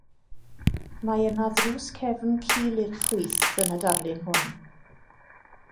Mae yna ddrws cefn cul i'r chwith yn y darlun hwn.